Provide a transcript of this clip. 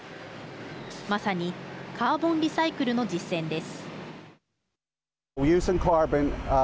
まさにカーボンリサイクルの実践です。